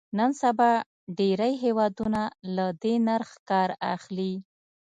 نن سبا ډېری هېوادونه له دې نرخ کار اخلي.